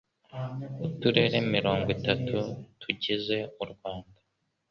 Uturere mirongwitatu tugize u Rwanda